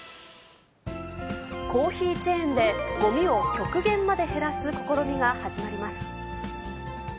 コーヒーチェーンで、ごみを極限まで減らす試みが始まります。